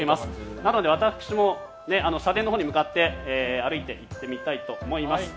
なので私も社殿のほうに向かって歩いていってみたいと思います。